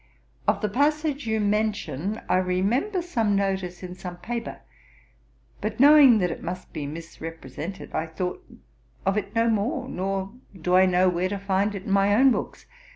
Of the passage you mention, I remember some notice in some paper; but knowing that it must be misrepresented, I thought of it no more, nor do I know where to find it in my own books.